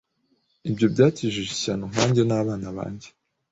Ibyo byakijije ishyano nkanjye nabana banjye